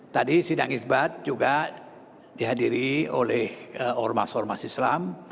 tadi sidang isbat juga dihadiri oleh ormas ormas islam